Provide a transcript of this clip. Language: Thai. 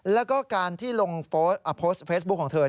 แล้วก็การที่ลงโพสต์เฟซบุ๊คของเธอ